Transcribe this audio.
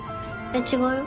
違うよ。